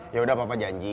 ya udah papa janji